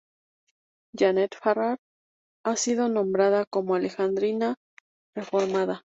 Janet Farrar ha sido nombrada como "Alejandrina Reformada".